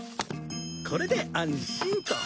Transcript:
これで安心と。